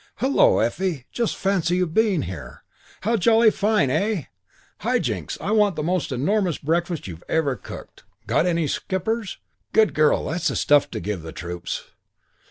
Hullo, Effie! Just fancy you being here! How jolly fine, eh? High Jinks, I want the most enormous breakfast you've ever cooked. Got any kippers? Good girl. That's the stuff to give the troops.